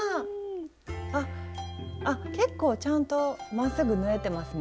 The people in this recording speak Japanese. あ結構ちゃんとまっすぐ縫えてますね。